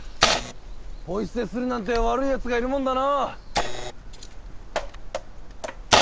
ポイ捨てするなんて悪いヤツがいるもんだな！